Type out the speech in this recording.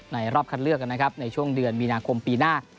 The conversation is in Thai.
รอบคัดเลือกนะครับในช่วงเดือนมีนาคมปีหน้า